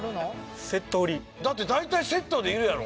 だって大体セットでいるやろ？